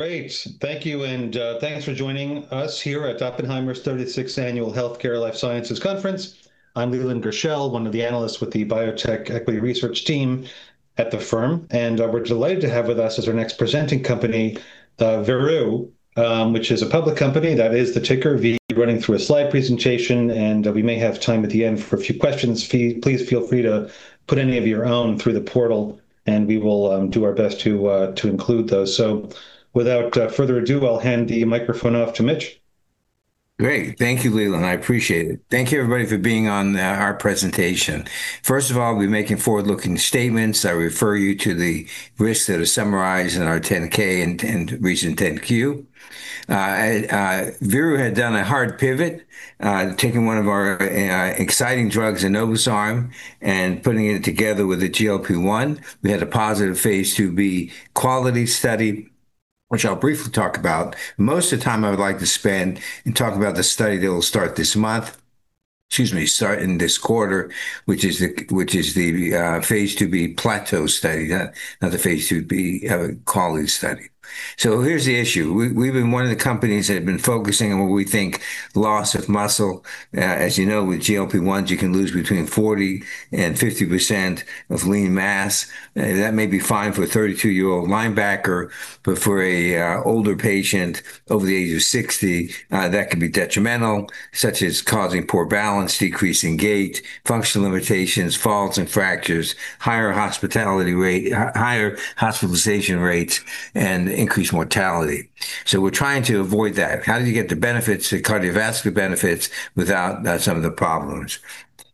Great! Thank you. Thanks for joining us here at Oppenheimer's 36th Annual Healthcare Life Sciences Conference. I'm Leland Gershell, one of the analysts with the Biotech Equity Research team at the firm. We're delighted to have with us as our next presenting company, Veru, which is a public company. That is the ticker V. We're running through a slide presentation. We may have time at the end for a few questions. Please feel free to put any of your own through the portal. We will do our best to include those. Without further ado, I'll hand the microphone off to Mitch. Great. Thank you, Leland, I appreciate it. Thank you, everybody, for being on our presentation. We're making forward-looking statements. I refer you to the risks that are summarized in our 10-K and recent 10-Q. Veru had done a hard pivot, taking one of our exciting drugs, enobosarm, and putting it together with a GLP-1. We had a positive Phase 2b quality study, which I'll briefly talk about. Most of the time, I would like to spend and talk about the study that will start in this quarter, which is the Phase 2b Plateau study, not the Phase 2b quality study. Here's the issue. We've been one of the companies that have been focusing on what we think loss of muscle. As you know, with GLP-1s, you can lose between 40% and 50% of lean mass. That may be fine for a 32-year-old linebacker, but for a older patient over the age of 60, that can be detrimental, such as causing poor balance, decreasing gait, functional limitations, falls and fractures, higher hospitality rate, higher hospitalization rates, and increased mortality. We're trying to avoid that. How do you get the benefits, the cardiovascular benefits, without some of the problems?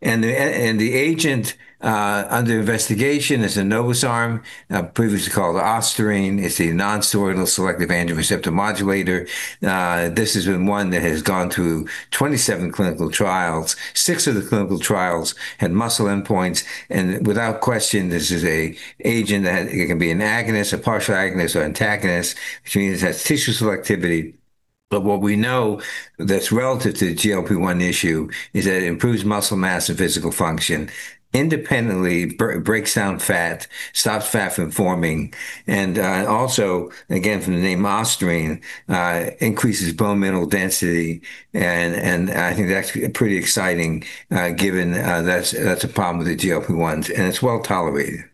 The agent under investigation is enobosarm, previously called ostarine. It's a non-steroidal selective androgen receptor modulator. This has been one that has gone through 27 clinical trials. 6 of the clinical trials had muscle endpoints, and without question, this is a agent that, it can be an agonist, a partial agonist or antagonist, which means it has tissue selectivity. What we know that's relative to the GLP-1 issue is that it improves muscle mass and physical function, independently breaks down fat, stops fat from forming, and also, again, from the name ostarine increases bone mineral density. I think that's pretty exciting given that's a problem with the GLP-1s, and it's well-tolerated.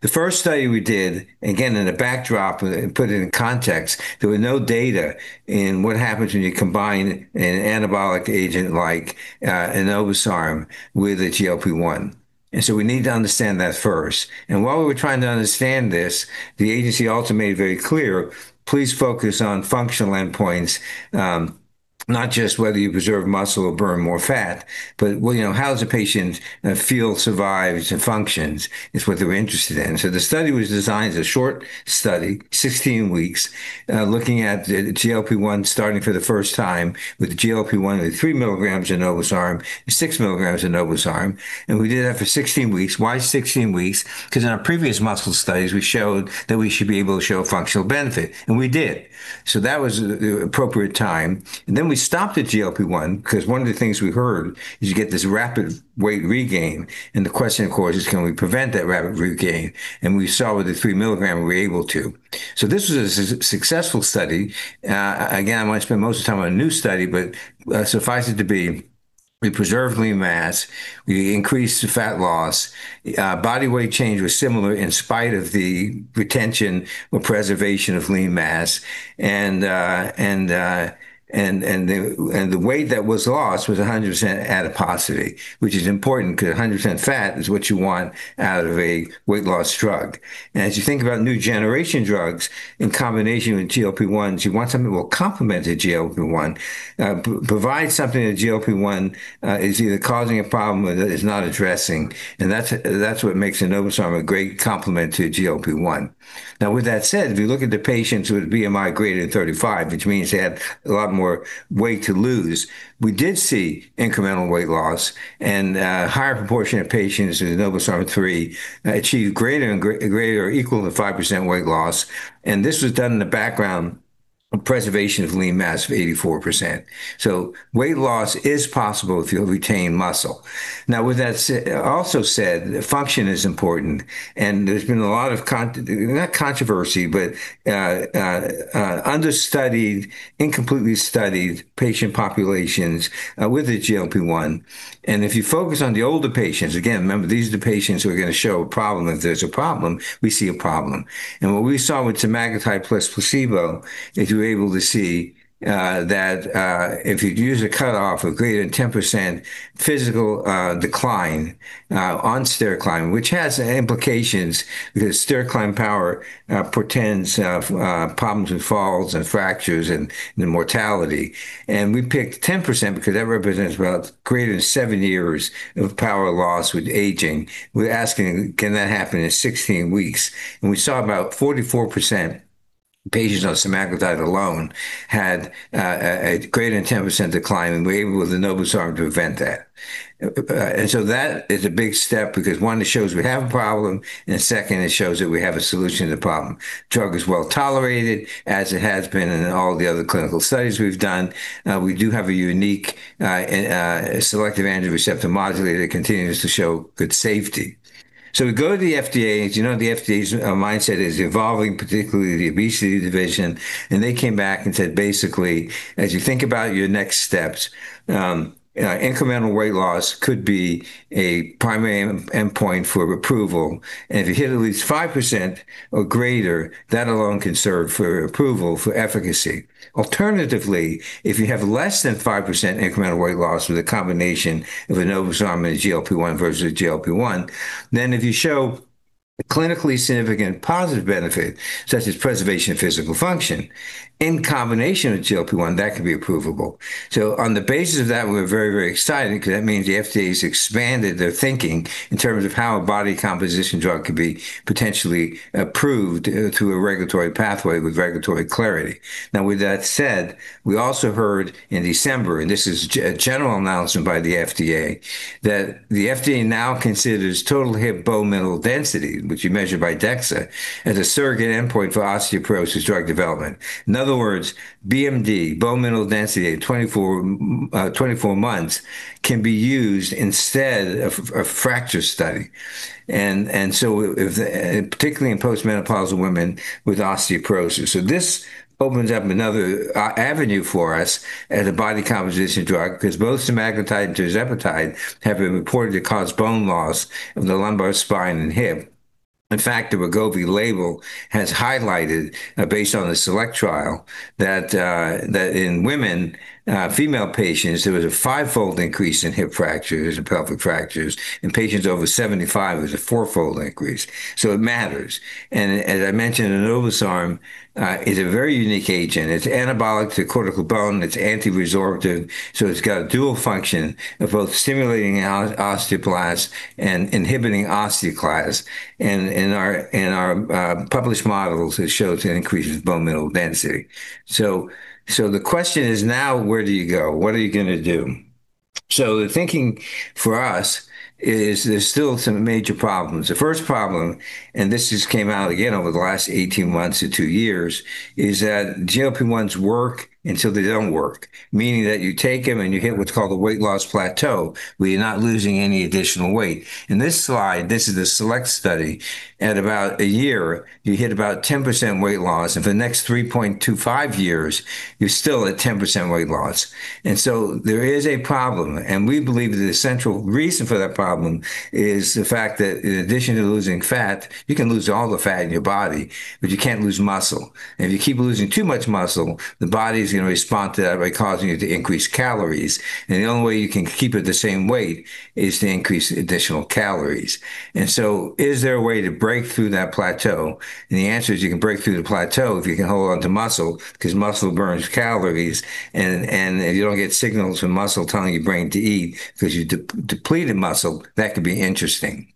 The first study we did, again, in a backdrop, put it in context, there were no data in what happens when you combine an anabolic agent like enobosarm with a GLP-1. We need to understand that first. While we were trying to understand this, the agency also made it very clear, "Please focus on functional endpoints, not just whether you preserve muscle or burn more fat, but, well, you know, how does a patient feel, survives, and functions?" is what they were interested in. The study was designed as a short study, 16 weeks, looking at the GLP-1, starting for the first time with GLP-1 at 3 mg enobosarm and 6 mg enobosarm, and we did that for 16 weeks. Why 16 weeks? In our previous muscle studies, we showed that we should be able to show a functional benefit, and we did. That was the appropriate time. Then we stopped the GLP-1, because one of the things we heard is you get this rapid weight regain, and the question, of course, is, can we prevent that rapid regain? We saw with the 3 milligram, we were able to. This was a successful study. Again, I want to spend most of the time on a new study, but suffice it to be, we preserved lean mass, we increased the fat loss. Body weight change was similar in spite of the retention or preservation of lean mass, and the weight that was lost was 100% adiposity, which is important, because 100% fat is what you want out of a weight loss drug. As you think about new generation drugs in combination with GLP-1s, you want something that will complement the GLP-1, provide something that GLP-1 is either causing a problem or that it's not addressing, and that's what makes enobosarm a great complement to GLP-1. With that said, if you look at the patients with BMI greater than 35, which means they had a lot more weight to lose, we did see incremental weight loss, and higher proportion of patients with enobosarm three achieved greater or equal to 5% weight loss, and this was done in the background of preservation of lean mass of 84%. Weight loss is possible if you retain muscle. With that said, also said, function is important, and there's been a lot of con... not controversy, but understudied, incompletely studied patient populations with the GLP-1. If you focus on the older patients, again, remember, these are the patients who are going to show a problem. If there's a problem, we see a problem. What we saw with semaglutide plus placebo, is you're able to see that if you use a cutoff of greater than 10% physical decline on stair climb, which has implications, because stair climb power portends problems with falls and fractures and mortality. We picked 10% because that represents about greater than 7 years of power loss with aging. We're asking: Can that happen in 16 weeks? We saw about 44% patients on semaglutide alone had a greater than 10% decline, and we're able, with the enobosarm, to prevent that. That is a big step because, one, it shows we have a problem, and second, it shows that we have a solution to the problem. Drug is well-tolerated, as it has been in all the other clinical studies we've done. We do have a unique and selective androgen receptor modulator that continues to show good safety. We go to the FDA, and as you know, the FDA's mindset is evolving, particularly the obesity division. They came back and said, basically, as you think about your next steps, incremental weight loss could be a primary endpoint for approval. If you hit at least 5% or greater, that alone can serve for approval for efficacy. Alternatively, if you have less than 5% incremental weight loss with a combination of enobosarm and a GLP-1 versus a GLP-1, then if you show a clinically significant positive benefit, such as preservation of physical function, in combination with GLP-1, that can be approvable. On the basis of that, we're very, very excited because that means the FDA's expanded their thinking in terms of how a body composition drug could be potentially approved through a regulatory pathway with regulatory clarity. With that said, we also heard in December, and this is a general announcement by the FDA, that the FDA now considers total hip bone mineral density, which you measure by DEXA, as a surrogate endpoint for osteoporosis drug development. In other words, BMD, bone mineral density, at 24 months, can be used instead of a fracture study, and so if, particularly in post-menopausal women with osteoporosis. This opens up another avenue for us as a body composition drug, 'cause both semaglutide and tirzepatide have been reported to cause bone loss of the lumbar spine and hip. The Wegovy label has highlighted, based on the SELECT trial, that in women, female patients, there was a 5-fold increase in hip fractures and pelvic fractures. In patients over 75, it was a 4-fold increase. It matters. As I mentioned, enobosarm is a very unique agent. It's anabolic to cortical bone. It's anti-resorptive, so it's got a dual function of both stimulating osteoblasts and inhibiting osteoclasts. In our published models, it shows it increases bone mineral density. The question is now, where do you go? What are you going to do? The thinking for us is there's still some major problems. The first problem, and this just came out again over the last 18 months to 2 years, is that GLP-1s work until they don't work. Meaning that you take them, and you hit what's called a weight loss plateau, where you're not losing any additional weight. In this slide, this is a select study. At about a year, you hit about 10% weight loss, and for the next 3.25 years, you're still at 10% weight loss. There is a problem, and we believe that the central reason for that problem is the fact that in addition to losing fat, you can lose all the fat in your body, but you can't lose muscle. If you keep losing too much muscle, the body's going to respond to that by causing you to increase calories. The only way you can keep it the same weight is to increase additional calories. Is there a way to break through that plateau? The answer is you can break through the plateau if you can hold on to muscle, 'cause muscle burns calories. If you don't get signals from muscle telling your brain to eat because you depleted muscle, that could be interesting.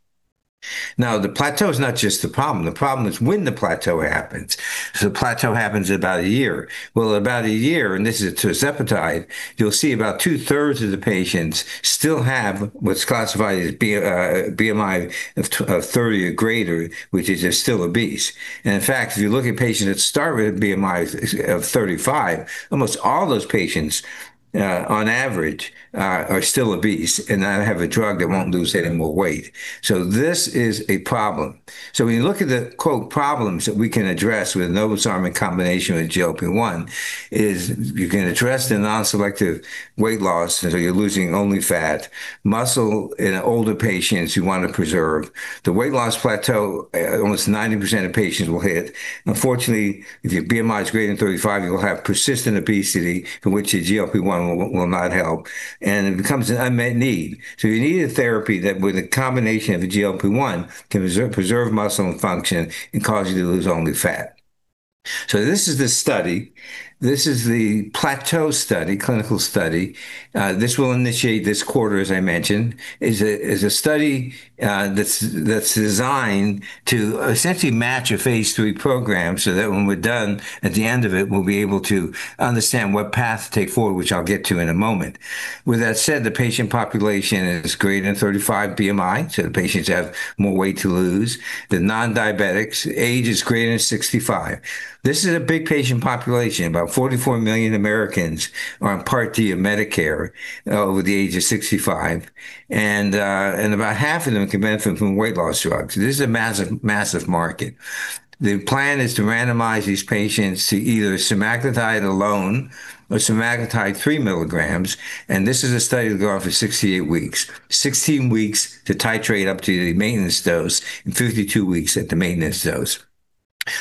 The plateau is not just the problem. The problem is when the plateau happens. The plateau happens at about a year. At about a year, this is tirzepatide, you'll see about 2/3 of the patients still have what's classified as BMI of 30 or greater, which is they're still obese. In fact, if you look at patients that start with a BMI of 35, almost all those patients, on average, are still obese and now have a drug that won't lose any more weight. This is a problem. When you look at the, quote, "problems" that we can address with enobosarm in combination with GLP-1 is you can address the non-selective weight loss, you're losing only fat. Muscle in older patients, you want to preserve. The weight loss plateau, almost 90% of patients will hit. Unfortunately, if your BMI is greater than 35, you will have persistent obesity, in which your GLP-1 will not help, and it becomes an unmet need. You need a therapy that, with a combination of a GLP-1, can preserve muscle and function and cause you to lose only fat. This is the study. This is the Plateau study, clinical study. This will initiate this quarter, as I mentioned. Is a study that's designed to essentially match a Phase 3 program so that when we're done, at the end of it, we'll be able to understand what path to take forward, which I'll get to in a moment. With that said, the patient population is greater than 35 BMI, so the patients have more weight to lose. They're non-diabetics. Age is greater than 65. This is a big patient population. About 44 million Americans are on Part D of Medicare over the age of 65, about half of them can benefit from weight loss drugs. This is a massive market. The plan is to randomize these patients to either semaglutide alone or semaglutide 3 milligrams, this is a study to go on for 68 weeks. 16 weeks to titrate up to the maintenance dose and 52 weeks at the maintenance dose.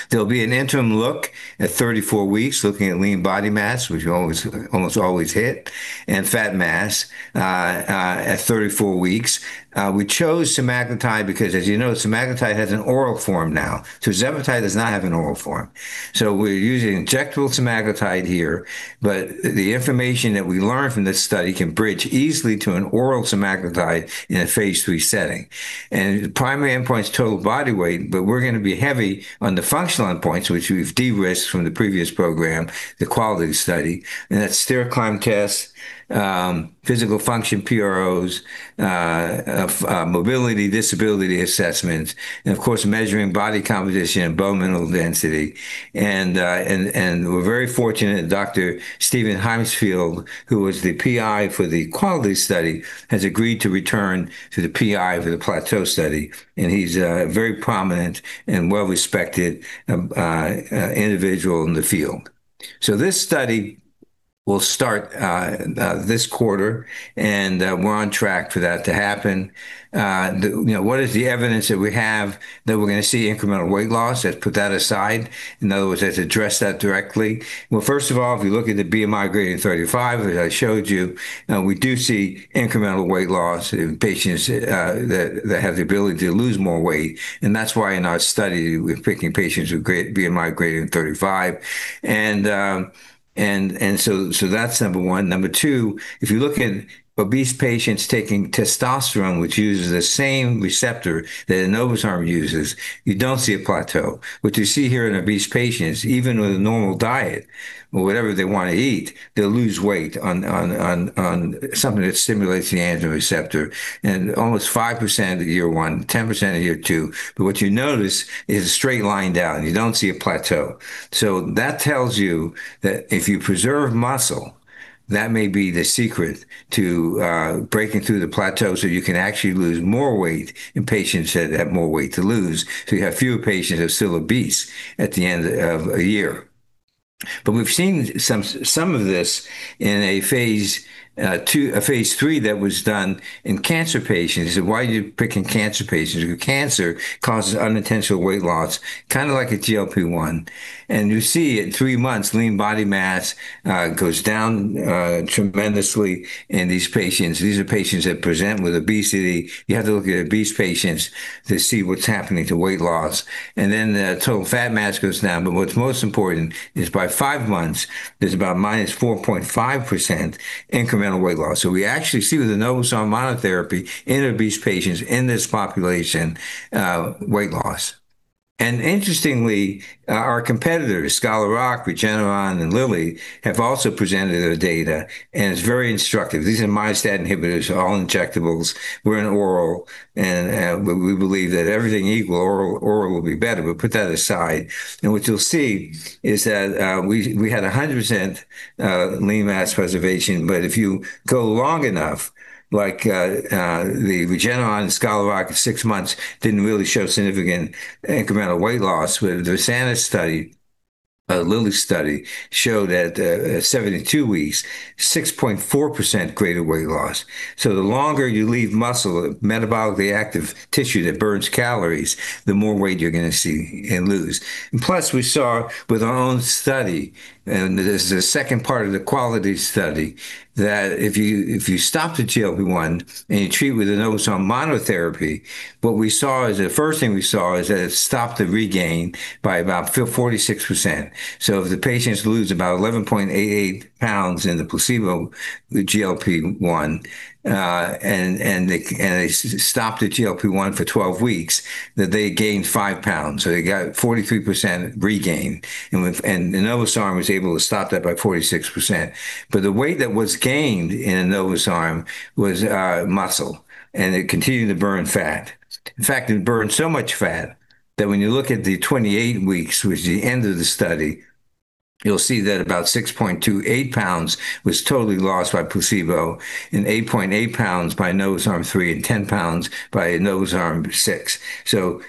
There will be an interim look at 34 weeks, looking at lean body mass, which you always, almost always hit, and fat mass, at 34 weeks. We chose semaglutide because, as you know, semaglutide has an oral form now. Zepbound does not have an oral form. We're using injectable semaglutide here, but the information that we learn from this study can bridge easily to an oral semaglutide in a Phase 3 setting. The primary endpoint is total body weight, but we're going to be heavy on the functional endpoints, which we've de-risked from the previous program, the quality study, and that's stair climb tests, physical function PROs, mobility, disability assessments, and of course, measuring body composition and bone mineral density. We're very fortunate that Dr. Steven Himmelfarb, who was the PI for the quality study, has agreed to return to the PI for the Plateau study, and he's a very prominent and well-respected individual in the field. This study will start this quarter, and we're on track for that to happen. you know, what is the evidence that we have that we're going to see incremental weight loss? Let's put that aside. In other words, let's address that directly. Well, first of all, if you look at the BMI greater than 35, as I showed you, we do see incremental weight loss in patients that have the ability to lose more weight. That's why in our study, we're picking patients with great BMI greater than 35. That's number one. Number two, if you look at obese patients taking testosterone, which uses the same receptor that enebosarm uses, you don't see a plateau. What you see here in obese patients, even with a normal diet or whatever they want to eat, they'll lose weight on something that stimulates the androgen receptor, and almost 5% at year one, 10% at year two. What you notice is a straight line down. You don't see a plateau. That tells you that if you preserve muscle, that may be the secret to breaking through the plateau so you can actually lose more weight in patients that have more weight to lose, so you have fewer patients who are still obese at the end of a year. We've seen some of this in a phase 2, a Phase 3 that was done in cancer patients. Why are you picking cancer patients? Cancer causes unintentional weight loss, kind of like a GLP-1. You see in 3 months, lean body mass goes down tremendously in these patients. These are patients that present with obesity. You have to look at obese patients to see what's happening to weight loss, and then the total fat mass goes down. What's most important is by 5 months, there's about minus 4.5% incremental weight loss. We actually see with the enobosarm monotherapy in obese patients in this population, weight loss. Interestingly, our competitors, Scholar Rock, Regeneron, and Lilly, have also presented their data, and it's very instructive. These are myostatin inhibitors, all injectables. We're an oral, we believe that everything equal, oral will be better. Put that aside, and what you'll see is that we had 100% lean mass preservation, but if you go long enough, like the Regeneron and Scholar Rock of 6 months, didn't really show significant incremental weight loss. With the Versanis study, Lilly study showed that at 72 weeks, 6.4% greater weight loss. The longer you leave muscle, a metabolically active tissue that burns calories, the more weight you're going to see and lose. Plus, we saw with our own study, and this is the second part of the quality study, that if you stop the GLP-1 and you treat with an enobosarm monotherapy, what we saw is, the first thing we saw is that it stopped the regain by about 46%. If the patients lose about 11.88 pounds in the placebo, the GLP-1, and they stopped the GLP-1 for 12 weeks, that they gained 5 pounds, so they got 43% regain. Enobosarm was able to stop that by 46%. The weight that was gained in enobosarm was muscle, and it continued to burn fat. In fact, it burned so much fat that when you look at the 28 weeks, which is the end of the study, you'll see that about 6.28 pounds was totally lost by placebo and 8.8 pounds by enobosarm 3 and 10 pounds by enobosarm 6.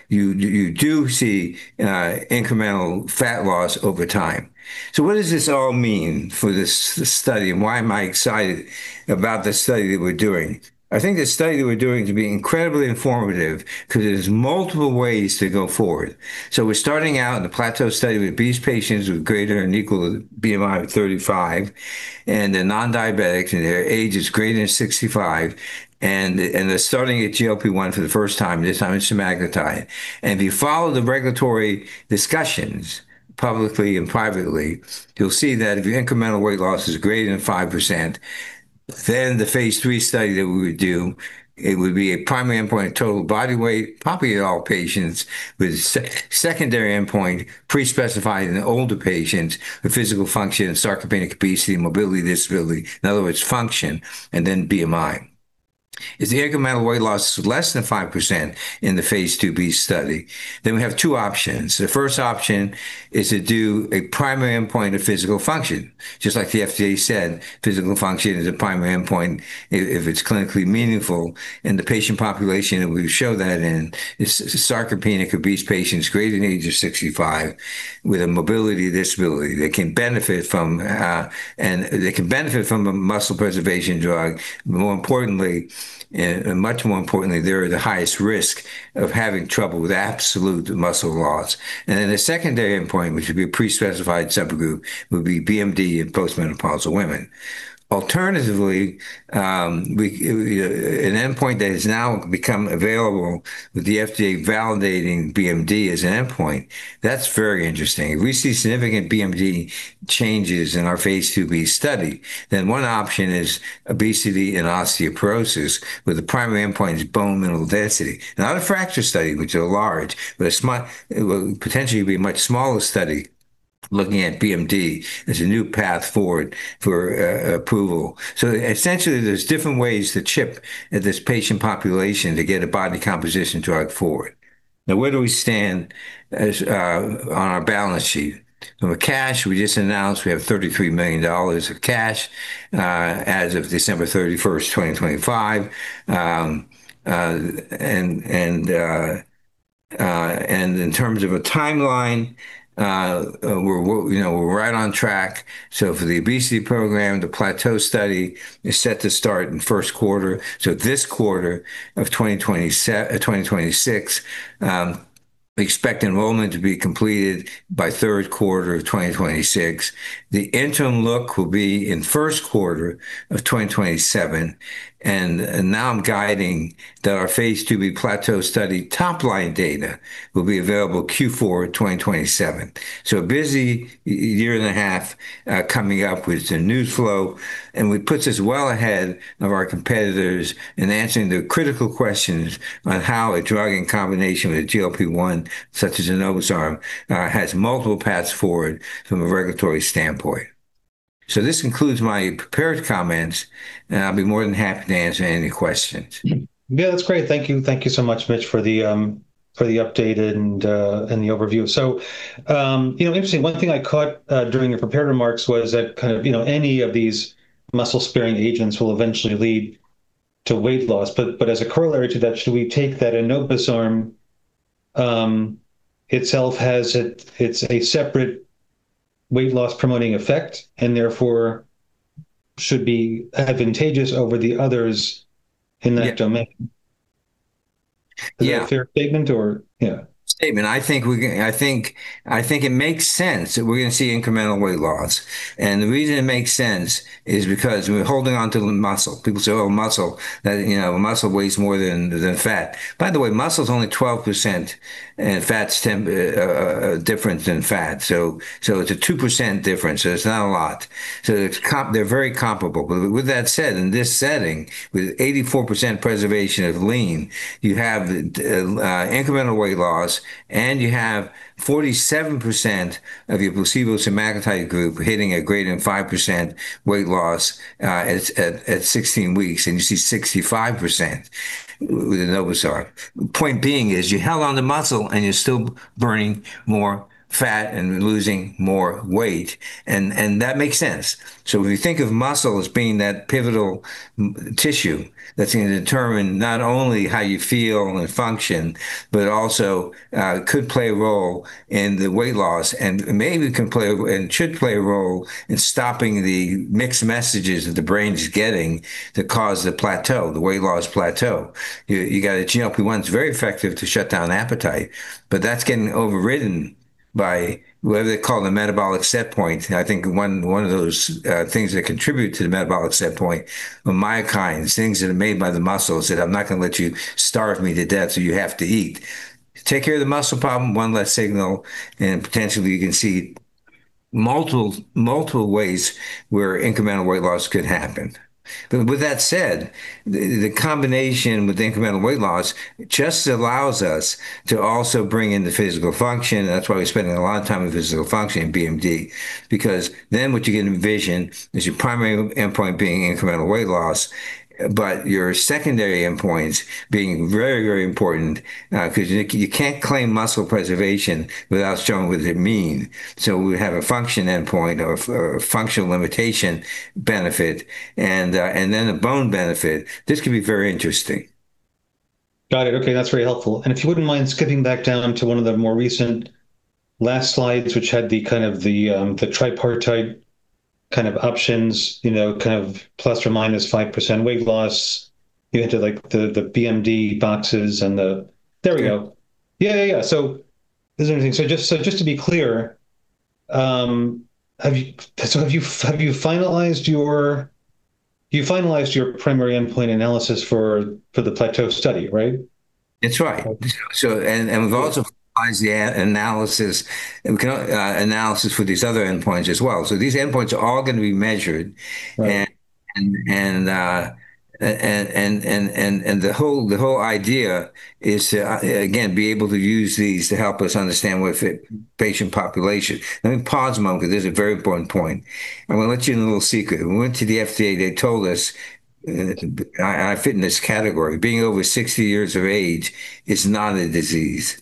You do see incremental fat loss over time. What does this all mean for this study, and why am I excited about the study that we're doing? I think the study that we're doing is going to be incredibly informative because there's multiple ways to go forward. We're starting out in the Plateau study with obese patients with greater than equal to BMI of 35, and they're non-diabetics, and their age is greater than 65, and they're starting a GLP-1 for the first time, this time it's semaglutide. If you follow the regulatory discussions, publicly and privately, you'll see that if your incremental weight loss is greater than 5%, the Phase 3 study that we would do, it would be a primary endpoint, total body weight, probably in all patients, with a secondary endpoint, pre-specified in the older patients, the physical function and sarcopenic obesity, mobility, disability, in other words, function, and then BMI. If the incremental weight loss is less than 5% in the Phase 2b study, then we have two options. The first option is to do a primary endpoint of physical function. Just like the FDA said, physical function is a primary endpoint if it's clinically meaningful in the patient population, and we show that in sarcopenic obese patients greater than the age of 65, with a mobility disability. They can benefit from a muscle preservation drug. More importantly, and much more importantly, they're at the highest risk of having trouble with absolute muscle loss. The secondary endpoint, which would be a pre-specified subgroup, would be BMD in postmenopausal women. We, an endpoint that has now become available with the FDA validating BMD as an endpoint, that's very interesting. If we see significant BMD changes in our Phase 2b study, one option is obesity and osteoporosis, where the primary endpoint is bone mineral density. Not a fracture study, which are large, but it will potentially be a much smaller study looking at BMD as a new path forward for approval. Essentially, there's different ways to chip at this patient population to get a body composition drug forward. Where do we stand as on our balance sheet? With cash, we just announced we have $33 million of cash as of December 31, 2025. And in terms of a timeline, you know, we're right on track. For the obesity program, the Plateau study is set to start in the first quarter, so this quarter of 2026. We expect enrollment to be completed by 3rd quarter of 2026. The interim look will be in 1st quarter of 2027, now I'm guiding that our Phase 2b Plateau study top line data will be available Q4 2027. A busy year and a half coming up with the news flow, and which puts us well ahead of our competitors in answering the critical questions on how a drug in combination with a GLP-1, such as enobosarm, has multiple paths forward from a regulatory standpoint. This concludes my prepared comments, and I'll be more than happy to answer any questions. Yeah, that's great. Thank you. Thank you so much, Mitch, for the for the update and and the overview. You know, interesting, one thing I caught during your prepared remarks was that kind of, you know, any of these muscle-sparing agents will eventually lead to weight loss. As a corollary to that, should we take that enobosarm itself has it's a separate weight loss promoting effect, and therefore should be advantageous over the others in that domain? Yeah. Is that a fair statement or? Yeah. Statement. I think it makes sense that we're going to see incremental weight loss. The reason it makes sense is because we're holding on to the muscle. People say, "Oh, muscle," that, you know, muscle weighs more than fat. By the way, muscle's only 12%, and fat's 10 different than fat. So it's a 2% difference, so it's not a lot. They're very comparable. With that said, in this setting, with 84% preservation of lean, you have the incremental weight loss, and you have 47% of your placebo semaglutide group hitting a greater than 5% weight loss at 16 weeks, and you see 65% with enobosarm. Point being is, you hang on to muscle, and you're still burning more fat and losing more weight, and that makes sense. If you think of muscle as being that pivotal tissue that's going to determine not only how you feel and function, but also could play a role in the weight loss, and maybe it can play, and should play a role in stopping the mixed messages that the brain is getting that cause the weight loss plateau. You got a GLP-1's, very effective to shut down appetite, but that's getting overridden by what they call the metabolic set point. I think one of those things that contribute to the metabolic set point are myokines, things that are made by the muscles, that, "I'm not going to let you starve me to death, so you have to eat." Take care of the muscle problem, one less signal, and potentially you can see multiple ways where incremental weight loss could happen. With that said, the combination with incremental weight loss just allows us to also bring in the physical function. That's why we're spending a lot of time on physical function in BMD, because then what you can envision is your primary endpoint being incremental weight loss, but your secondary endpoints being very, very important, because you can't claim muscle preservation without showing what they mean. We have a function endpoint or a function limitation benefit and then a bone benefit. This could be very interesting. Got it. Okay, that's very helpful. If you wouldn't mind skipping back down to one of the more recent last slides, which had the kind of the tripartite kind of options, you know, kind of ±5% weight loss. You entered, like, the BMD boxes and the. There we go. Yeah. Is there anything just to be clear, have you finalized your primary endpoint analysis for the Plateau study, right? That's right. We've also finalized the analysis and analysis for these other endpoints as well. These endpoints are all going to be measured. Right. The whole idea is to again be able to use these to help us understand what fit patient population. Let me pause a moment, because this is a very important point. I'm going to let you in a little secret. We went to the FDA, they told us, I fit in this category, being over 60 years of age is not a disease.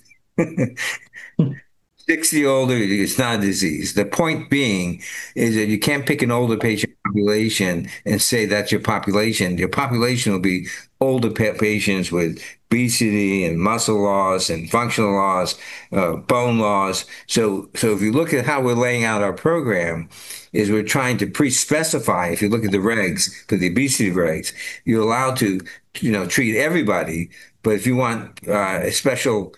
60 or older, it's not a disease. The point being is that you can't pick an older patient population and say that's your population. Your population will be older patients with obesity, and muscle loss, and functional loss, bone loss. If you look at how we're laying out our program, is we're trying to pre-specify... You look at the regs, the obesity regs, you're allowed to, you know, treat everybody. If you want a special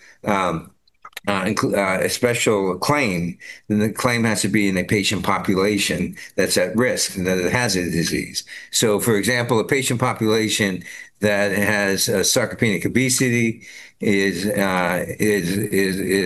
claim, the claim has to be in a patient population that's at risk, and that it has a disease. For example, a patient population that has sarcopenic obesity is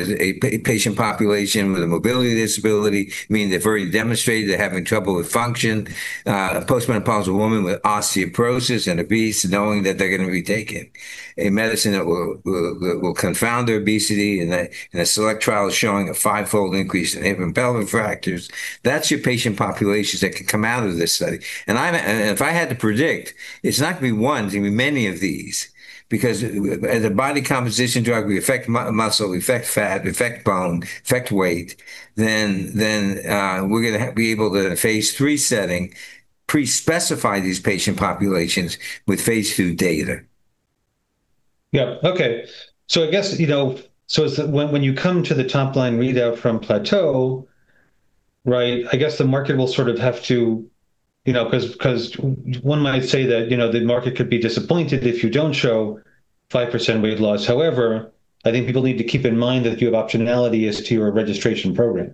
a patient population with a mobility disability, meaning they've already demonstrated they're having trouble with function. A post-menopausal woman with osteoporosis and obese, knowing that they're gonna be taking a medicine that will confound their obesity, and a select trial is showing a fivefold increase in hip and pelvic fractures, that's your patient populations that could come out of this study. If I had to predict, it's not gonna be one, it's gonna be many of these. As a body composition drug, we affect muscle, we affect fat, we affect bone, affect weight, then, we're gonna be able to, in a Phase 3 setting, pre-specify these patient populations with phase 2 data. Yeah. Okay. I guess, you know, when you come to the top-line readout from Plateau, right, I guess the market will sort of have to, you know, 'cause one might say that, you know, the market could be disappointed if you don't show 5% weight loss. However, I think people need to keep in mind that you have optionality as to your registration program.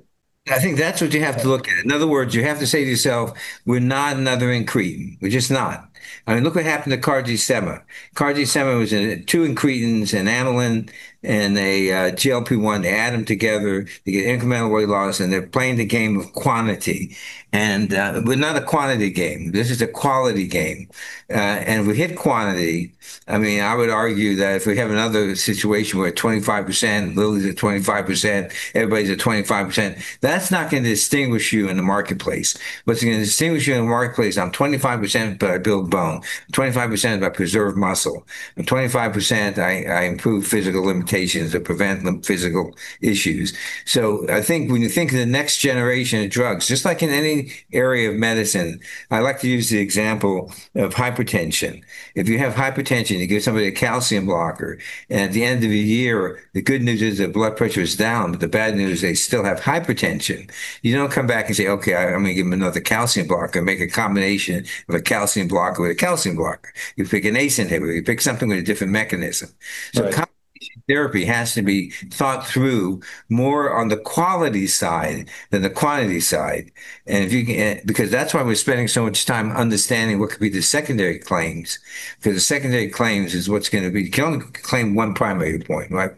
I think that's what you have to look at. In other words, you have to say to yourself, "We're not another incretin. We're just not." I mean, look what happened to CagriSema. CagriSema was 2 incretins, an amylin, and a GLP-1. They add them together to get incremental weight loss, they're playing the game of quantity, but not a quantity game. This is a quality game. If we hit quantity, I mean, I would argue that if we have another situation where at 25%, Lilly's at 25%, everybody's at 25%, that's not gonna distinguish you in the marketplace. It's gonna distinguish you in the marketplace, "I'm 25%, but I build bone. 25%, I preserve muscle. I'm 25%, I improve physical limitations that prevent the physical issues. I think when you think of the next generation of drugs, just like in any area of medicine, I like to use the example of hypertension. If you have hypertension, you give somebody a calcium channel blocker, and at the end of a year, the good news is their blood pressure is down, but the bad news is they still have hypertension. You don't come back and say, "Okay, I'm gonna give them another calcium channel blocker and make a combination of a calcium channel blocker with a calcium channel blocker." You pick an ACE inhibitor, you pick something with a different mechanism. Right. Combination therapy has to be thought through more on the quality side than the quantity side. If you can, because that's why we're spending so much time understanding what could be the secondary claims, because the secondary claims is what's gonna be, you can only claim one primary point, right?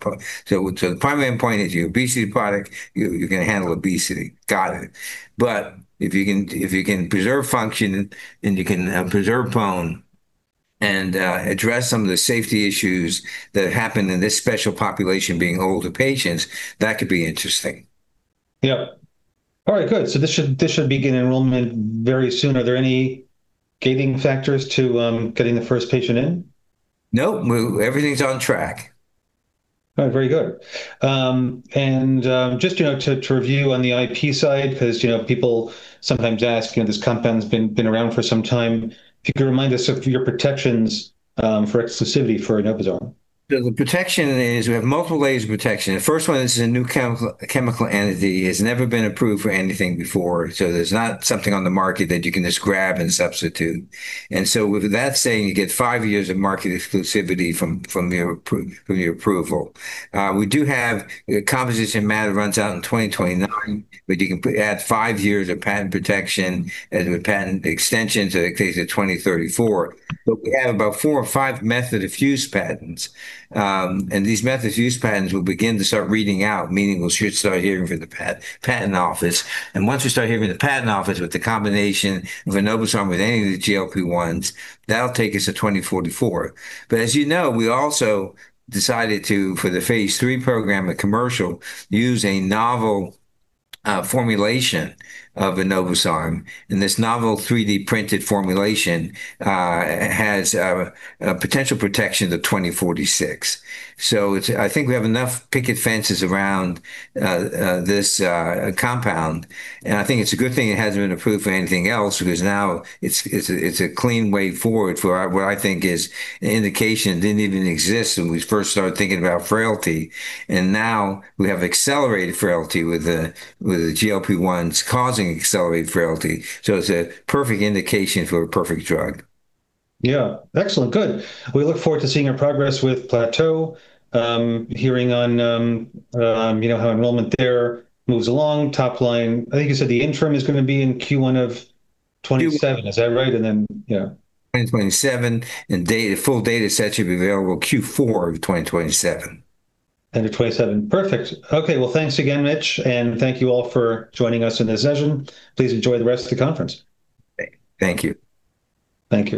So the primary end point is your obesity product, you're gonna handle obesity. Got it. If you can, if you can preserve function, and you can preserve bone, and address some of the safety issues that happened in this special population, being older patients, that could be interesting. Yep. All right, good. This should begin enrollment very soon. Are there any gating factors to getting the first patient in? No, everything's on track. All right, very good. Just, you know, to review on the IP side, 'cause, you know, people sometimes ask, you know, this compound's been around for some time. If you could remind us of your protections, for exclusivity for enobosarm. The protection is we have multiple layers of protection. The first one is a new chemical entity, it's never been approved for anything before, so there's not something on the market that you can just grab and substitute. With that saying, you get 5 years of market exclusivity from your approval. We do have... The composition matter runs out in 2029, you can add 5 years of patent protection, as with patent extensions, so that takes you to 2034. We have about 4 or 5 method of use patents, these methods of use patents will begin to start reading out, meaning we should start hearing from the Patent Office. Once we start hearing the Patent Office with the combination of enobosarm with any of the GLP-1s, that'll take us to 2044. As you know, we also decided to, for the Phase 3 program and commercial, use a novel formulation of enobosarm, and this novel 3D-printed formulation has a potential protection to 2046. I think we have enough picket fences around this compound, and I think it's a good thing it hasn't been approved for anything else, because now it's a clean way forward for what I think is an indication that didn't even exist when we first started thinking about frailty. Now we have accelerated frailty with the GLP-1s causing accelerated frailty, so it's a perfect indication for a perfect drug. Yeah. Excellent, good. We look forward to seeing your progress with Plateau, hearing on, you know, how enrollment there moves along. Top line, I think you said the interim is gonna be in Q1 of 2027, is that right? Q- Yeah. 2027, Full data set should be available Q4 of 2027. End of 2027, perfect. Okay, well, thanks again, Mitch, and thank you all for joining us in this session. Please enjoy the rest of the conference. Thank you. Thank you.